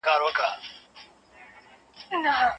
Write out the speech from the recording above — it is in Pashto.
تمدنونه د څو اصلي عواملو له مخې جوړیږي.